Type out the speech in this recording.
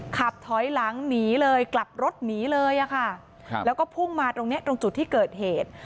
ขับถอยหลังหนีเลยกลับรถหนีเลยอะค่ะครับแล้วก็พุ่งมาตรงเนี้ยตรงจุดที่เกิดเหตุ